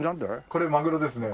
これマグロですね。